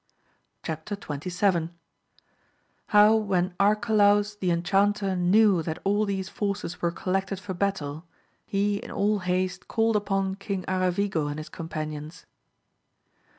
Chap. Xjlvii.— How when Arcalaus the enchanter knew that all these forces were collected for battle, he in all haste called upon King Aratigo and his companions.